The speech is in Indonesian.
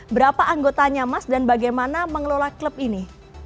berapa anggotanya mas dan bagaimana mengelola klub ini